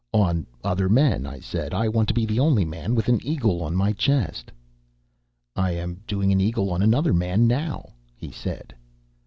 "'On other men," I said. 'I want to be the only man with an eagle on my chest.' "'I am doing an eagle on another man now,' he said.